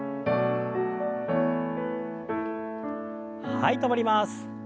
はい止まります。